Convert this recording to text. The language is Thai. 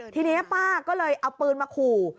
ทีนี้ป้าก็เลยเอาปืนมาขู่